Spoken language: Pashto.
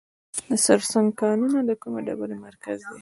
د سرسنګ کانونه د کومې ډبرې مرکز دی؟